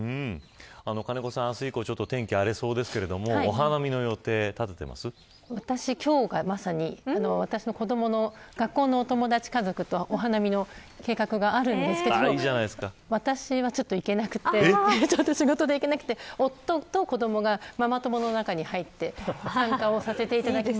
金子さん、明日以降天気、荒れそうですけれども私、今日がまさに私の子どもの学校のお友達家族とお花見の計画があるんですけど私は、ちょっと行けなくて仕事で行けなくて夫と子どもがママ友の中に入って参加させていただきます。